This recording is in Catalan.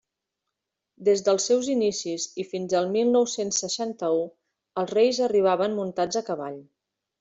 Des dels seus inicis i fins al mil nou-cents seixanta-u, els Reis arribaven muntats a cavall.